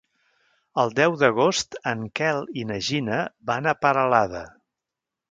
El deu d'agost en Quel i na Gina van a Peralada.